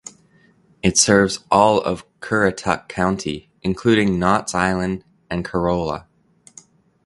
It serves all of Currituck County including Knotts Island and Corolla.